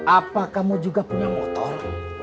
apa kamu juga punya motor